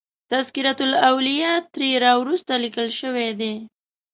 تذکرة الاولیاء تر را وروسته لیکل شوی دی.